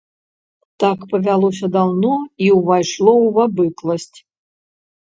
Так павялося даўно і ўвайшло ў абыкласць.